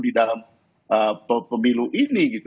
di dalam pemilu ini gitu